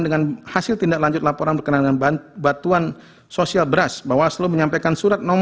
dengan hasil tindak lanjut laporan berkenaan dengan bantuan sosial beras bahwa selalu menyampaikan